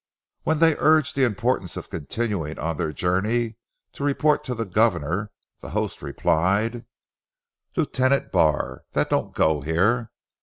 When they urged the importance of continuing on their journey to report to the governor, the host replied:— "Lieutenant Barr, that don't go here.